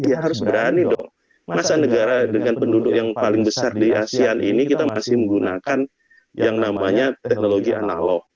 ya harus berani dong masa negara dengan penduduk yang paling besar di asean ini kita masih menggunakan yang namanya teknologi analog